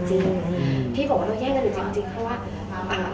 พี่บอกว่าเราแยกกันอยู่จริงเพราะว่า